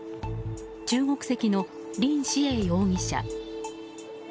中国籍のリン・シエイ容疑者。